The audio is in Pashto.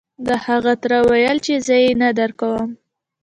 د هغه تره وويل چې زه يې نه درکوم.